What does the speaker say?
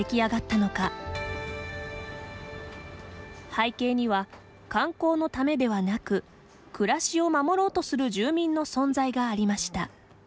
背景には観光のためではなく暮らしを守ろうとする住民の存在がありました。